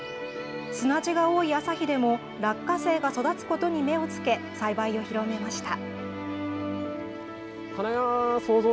砂地が多い旭でも、落花生が育つことに目をつけ、栽培を広めました。